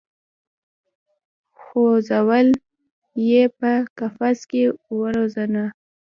خو ځول یې په قفس کي وزرونه